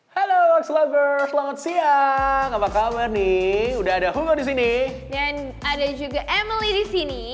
halo hello selamat siang apa kabar nih udah ada hugo disini dan ada juga emily disini